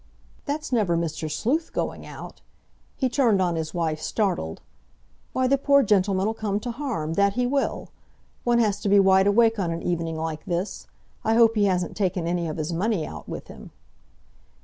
"That's never Mr. Sleuth going out?" He turned on his wife, startled. "Why, the poor gentleman'll come to harm—that he will! One has to be wide awake on an evening like this. I hope he hasn't taken any of his money out with him."